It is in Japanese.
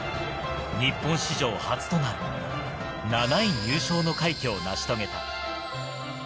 日本史上初となる７位入賞の快挙を成し遂げた。